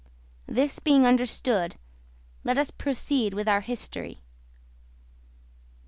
This being understood, let us proceed with our history.